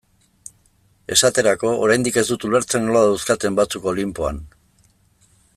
Esaterako, oraindik ez dut ulertzen nola dauzkaten batzuk Olinpoan.